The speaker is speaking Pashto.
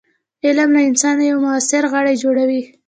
علم له انسانه یو موثر غړی جوړوي.